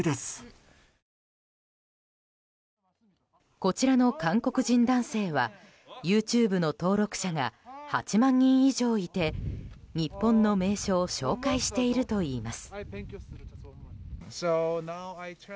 こちらの韓国人男性はＹｏｕＴｕｂｅの登録者が８万人以上いて日本の名所を紹介しているといいます。